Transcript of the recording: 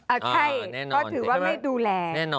เอ่อใช่เต้าก็ถือว่าไม่ดูแล